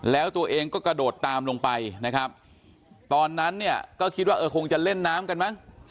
แล้วตัวเองก็กระโดดตามลงไปนะครับตอนนั้นเนี่ยก็คิดว่าเออคงจะเล่นน้ำกันมั้ง